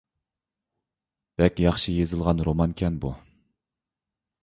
بەك ياخشى يېزىلغان رومانكەن بۇ!